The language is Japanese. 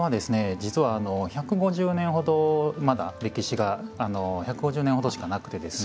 実は１５０年ほどまだ歴史が１５０年ほどしかなくてですね。